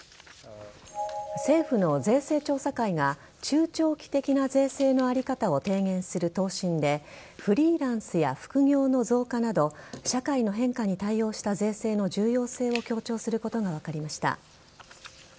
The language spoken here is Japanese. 政府の税制調査会が中長期的な税制の在り方を提言する答申でフリーランスや副業の増加など社会の変化に対応した税制の重要性を強調することが分かりました。